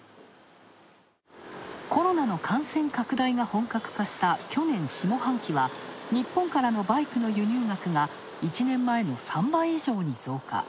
コロナの感染拡大が本格化した去年下半期は日本からのバイクの輸入額が１年前の３倍以上に増加。